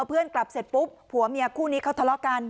เพื่อนกลับเสร็จปุ๊บผัวเมียคู่นี้เขาทะเลาะกัน